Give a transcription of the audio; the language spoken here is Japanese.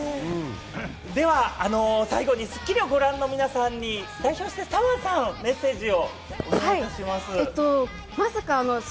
では最後に『スッキリ』をご覧の皆さんに代表してさわさん、メッセージをお願いします。